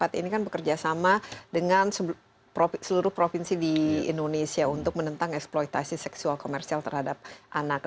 karena ekpat ini kan bekerja sama dengan seluruh provinsi di indonesia untuk menentang eksploitasi seksual komersial terhadap anak